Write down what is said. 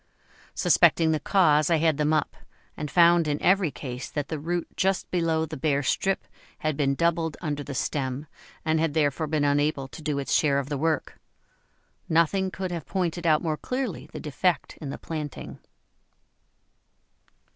Suspecting the cause, I had them up, and found in every case that the root just below the bare strip had been doubled under the stem, and had therefore been unable to do its share of the work. Nothing could have pointed out more clearly the defect in the planting.